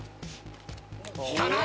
引かない！